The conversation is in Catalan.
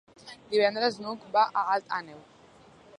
Divendres n'Hug va a Alt Àneu.